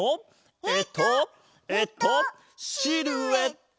えっとえっとシルエット！